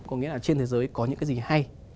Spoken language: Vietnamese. có nghĩa là trên thế giới có những cái gì hay